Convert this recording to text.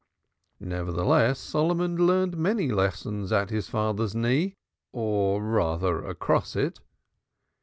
Nevertheless, Solomon learned many lessons at his father's knee, or rather, across it.